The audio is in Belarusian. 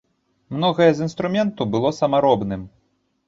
Многае з інструменту было самаробным.